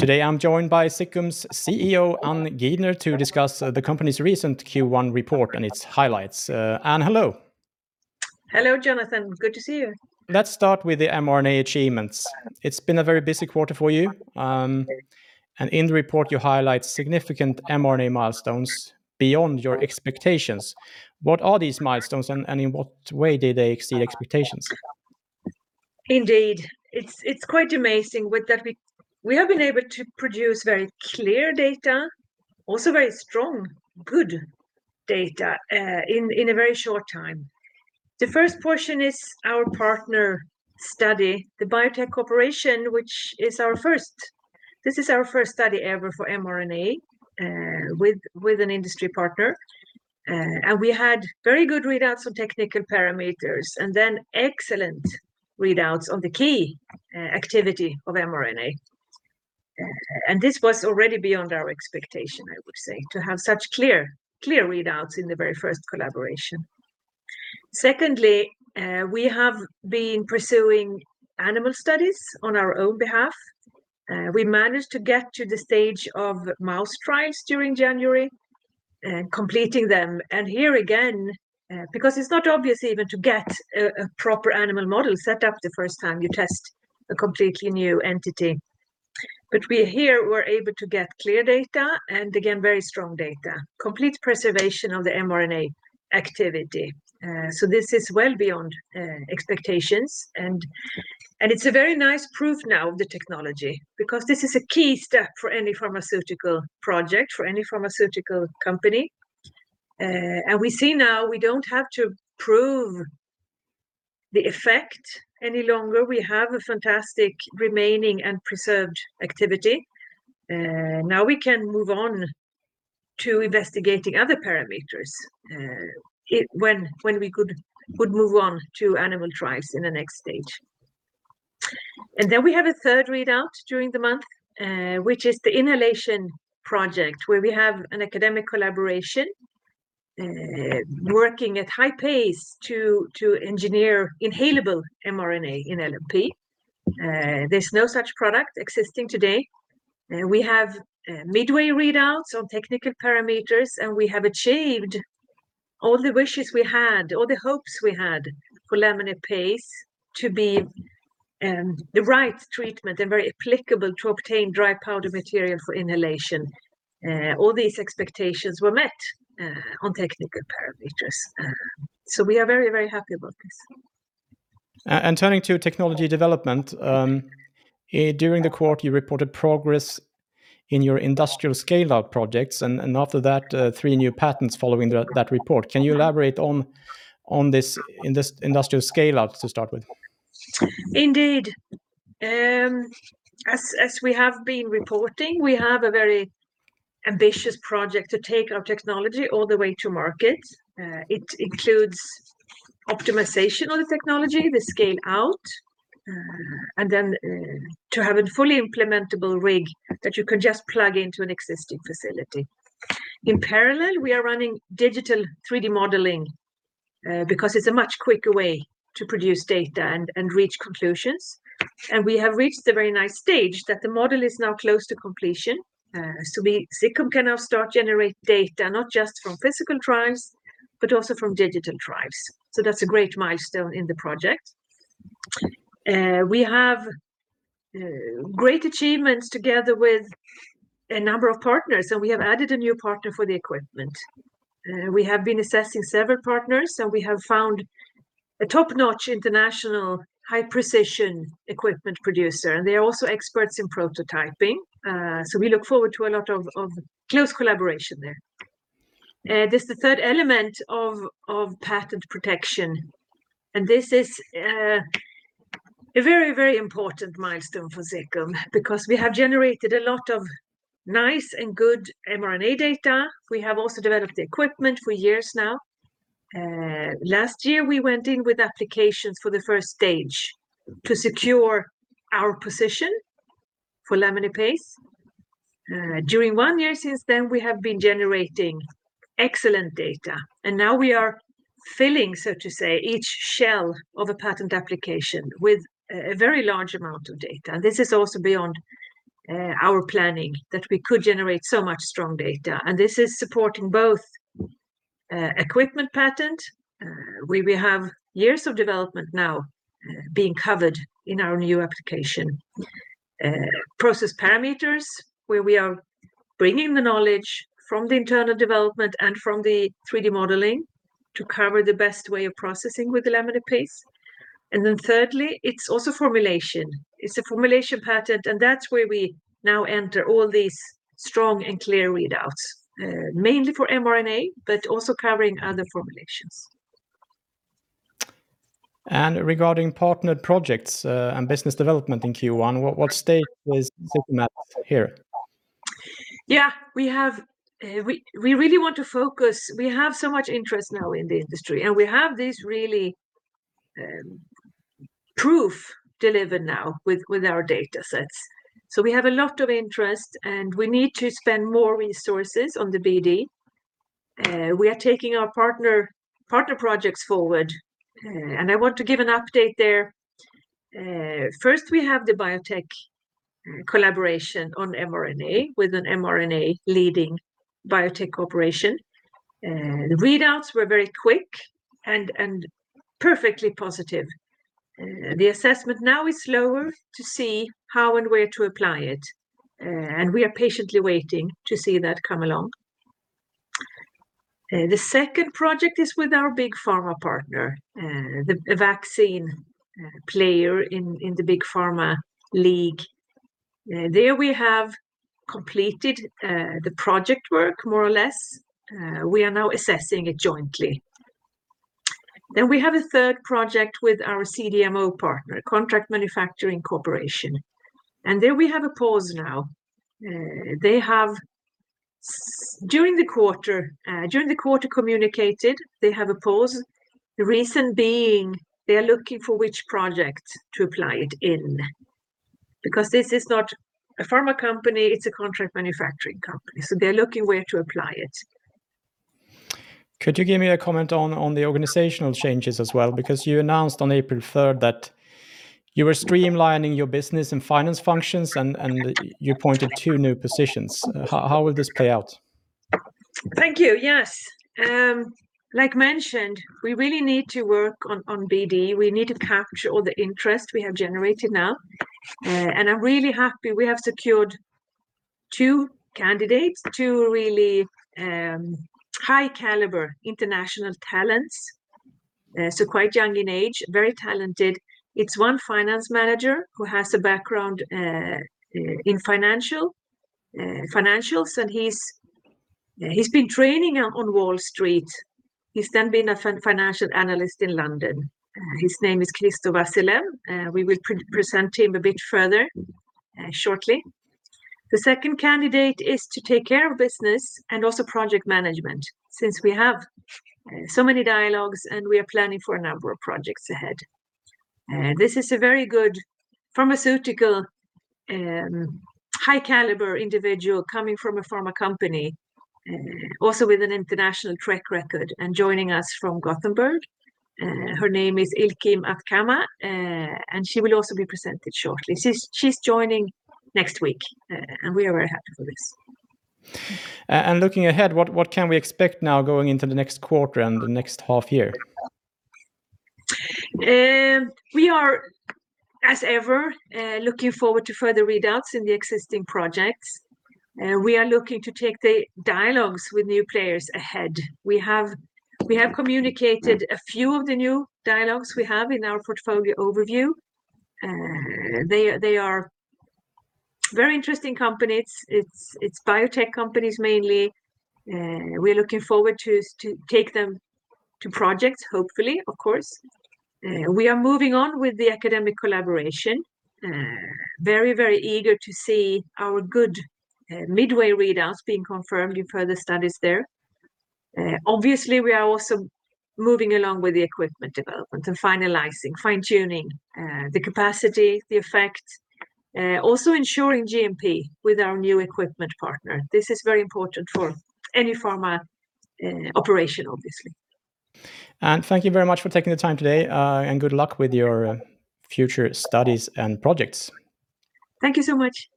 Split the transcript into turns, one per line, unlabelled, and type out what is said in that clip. Today, I'm joined by Ziccum's CEO, Ann Gidner, to discuss the company's recent Q1 report and its highlights. Ann, hello.
Hello, Jonathan. Good to see you.
Let's start with the mRNA achievements. It's been a very busy quarter for you, and in the report you highlight significant mRNA milestones beyond your expectations. What are these milestones, and in what way did they exceed expectations?
Indeed, it's quite amazing that we have been able to produce very clear data, also very strong, good data, in a very short time. The first portion is our partner study, the biotech cooperation. This is our first study ever for mRNA with an industry partner. And we had very good readouts on technical parameters, and then excellent readouts on the key activity of mRNA. And this was already beyond our expectation, I would say, to have such clear, clear readouts in the very first collaboration. Secondly, we have been pursuing animal studies on our own behalf. We managed to get to the stage of mouse trials during January, completing them. And here again, because it's not obvious even to get a proper animal model set up the first time you test a completely new entity. But we here were able to get clear data, and again, very strong data. Complete preservation of the mRNA activity. So this is well beyond expectations, and it's a very nice proof now of the technology, because this is a key step for any pharmaceutical project, for any pharmaceutical company. And we see now we don't have to prove the effect any longer. We have a fantastic remaining and preserved activity. Now we can move on to investigating other parameters, when we could move on to animal trials in the next stage. Then we have a third readout during the month, which is the inhalation project, where we have an academic collaboration working at high pace to engineer inhalable mRNA in LNP. There's no such product existing today. We have midway readouts on technical parameters, and we have achieved all the wishes we had, all the hopes we had for LaminarPace to be the right treatment and very applicable to obtain dry powder material for inhalation. All these expectations were met on technical parameters. So we are very, very happy about this.
And turning to technology development, during the quarter you reported progress in your industrial scale-out projects, and after that, three new patents following that report. Can you elaborate on this industrial scale-out to start with?
Indeed. As we have been reporting, we have a very ambitious project to take our technology all the way to market. It includes optimization of the technology, the scale out, and then to have a fully implementable rig that you can just plug into an existing facility. In parallel, we are running digital 3D modeling, because it's a much quicker way to produce data and reach conclusions. We have reached a very nice stage, that the model is now close to completion. So we, Ziccum can now start generate data, not just from physical trials, but also from digital trials. So that's a great milestone in the project. We have great achievements together with a number of partners, and we have added a new partner for the equipment. We have been assessing several partners, and we have found a top-notch international high precision equipment producer, and they are also experts in prototyping. So we look forward to a lot of close collaboration there. There's the third element of patent protection, and this is a very, very important milestone for Ziccum, because we have generated a lot of nice and good mRNA data. We have also developed the equipment for years now. Last year we went in with applications for the first stage to secure our position for LaminarPace. During one year since then, we have been generating excellent data, and now we are filling, so to say, each shell of a patent application with a very large amount of data. This is also beyond our planning, that we could generate so much strong data, and this is supporting both equipment patent, where we have years of development now being covered in our new application. Process parameters, where we are bringing the knowledge from the internal development and from the 3D modeling to cover the best way of processing with the LaminarPace. And then thirdly, it's also formulation. It's a formulation patent, and that's where we now enter all these strong and clear readouts. Mainly for mRNA, but also covering other formulations.
Regarding partnered projects and business development in Q1, what, what stage is Ziccum at here?
Yeah, we really want to focus. We have so much interest now in the industry, and we have this really proof delivered now with our data sets. So we have a lot of interest, and we need to spend more resources on the BD. We are taking our partner projects forward, and I want to give an update there. First, we have the biotech collaboration on mRNA with an mRNA-leading biotech corporation. The readouts were very quick and perfectly positive. The assessment now is slower to see how and where to apply it, and we are patiently waiting to see that come along. The second project is with our big pharma partner, the vaccine player in the big pharma league. There we have completed the project work more or less. We are now assessing it jointly. Then we have a third project with our CDMO partner, contract manufacturing organization, and there we have a pause now. They have, during the quarter, during the quarter communicated they have a pause, the reason being they're looking for which project to apply it in. Because this is not a pharma company, it's a contract manufacturing company, so they're looking where to apply it.
Could you give me a comment on the organizational changes as well? Because you announced on April 3rd that you were streamlining your business and finance functions, and you appointed two new positions. How will this play out?
Thank you. Yes, like mentioned, we really need to work on BD. We need to capture all the interest we have generated now. And I'm really happy we have secured two candidates, two really high-caliber international talents. So quite young in age, very talented. It's one finance manager who has a background in financials, and he's been training on Wall Street. He's then been a financial analyst in London. His name is Hristo Vasilev, we will present him a bit further shortly. The second candidate is to take care of business and also project management, since we have so many dialogues and we are planning for a number of projects ahead. This is a very good pharmaceutical, high-caliber individual coming from a pharma company, also with an international track record and joining us from Gothenburg. Her name is Ilkim Atmaca, and she will also be presented shortly. She's joining next week, and we are very happy for this.
Looking ahead, what, what can we expect now going into the next quarter and the next half year?
We are, as ever, looking forward to further readouts in the existing projects. We are looking to take the dialogues with new players ahead. We have, we have communicated a few of the new dialogues we have in our portfolio overview. They are, they are very interesting companies. It's, it's biotech companies mainly. We're looking forward to take them to projects, hopefully, of course. We are moving on with the academic collaboration. Very, very eager to see our good midway readouts being confirmed in further studies there. Obviously, we are also moving along with the equipment development and finalizing, fine-tuning the capacity, the effect, also ensuring GMP with our new equipment partner. This is very important for any pharma operation, obviously.
Ann, thank you very much for taking the time today, and good luck with your future studies and projects.
Thank you so much.